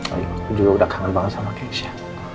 juga udah kangen banget sama keisha